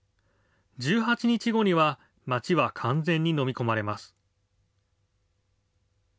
１８日後には町は完全に飲み込まれます。